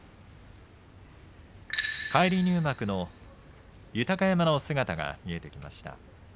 返り入幕の豊山の姿が見えてきました。